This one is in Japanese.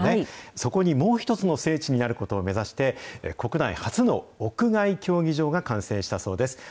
そこにもう一つの聖地になることを目指して、国内初の屋外競技場が完成したそうです。